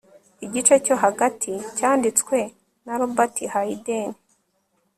Igice cyo hagati cyanditswe na Robert Hayden